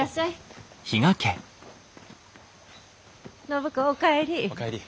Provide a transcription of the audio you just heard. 暢子お帰り。